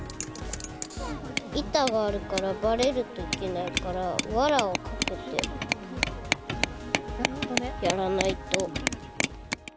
板があるから、ばれるといけないから、わらをかけてやらないと。